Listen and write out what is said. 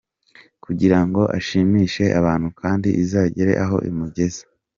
kugira ngo ashimishe abantu kandi izagere aho imugeza.